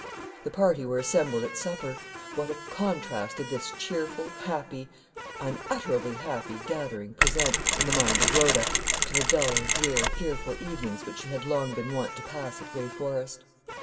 The party were assembled at supper. What a contrast did this cheerful, happy unutterably happy gathering, present, in the mind of Rhoda, to the dull, drear, fearful evenings which she had long been wont to pass at Gray Forest.